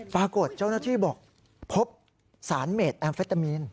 ปรากฏเจ้าหน้าที่บอกพบสารเมดแอมเฟตามีน